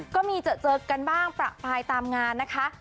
ก็มีเจอกันบ้างประปายตามงานนะคะ